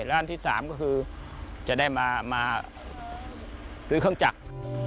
และอันที่๓ก็คือจะได้มาซื้อเครื่องจักร